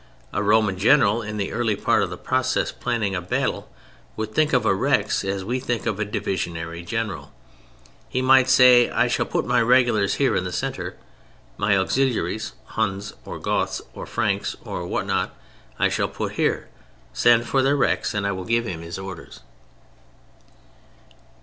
A Roman General in the early part of the process planning a battle would think of a Rex as we think of a Divisionary General. He might say: "I shall put my regulars here in the centre. My auxiliaries (Huns or Goths or Franks or what not) I shall put here. Send for their 'Rex' and I will give him his orders."